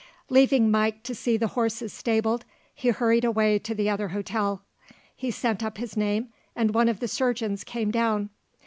Leaving Mike to see the horses stabled, he hurried away to the other hotel. He sent up his name, and one of the surgeons came down.